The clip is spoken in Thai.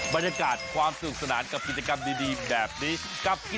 บรรยากาศความสนุกสนานกับกิจกรรมดีแบบนี้กับ